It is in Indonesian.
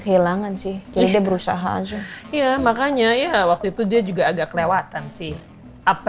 kehilangan sih jadi berusaha ya makanya ya waktu itu dia juga agak kelewatan sih apa